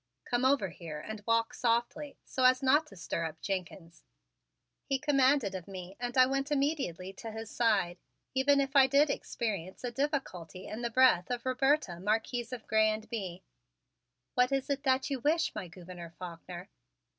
"Come over here and walk softly, so as not to stir up Jenkins," he commanded me and I went immediately to his side, even if I did experience a difficulty in the breath of Roberta, Marquise of Grez and Bye. "What is it that you wish, my Gouverneur Faulkner?"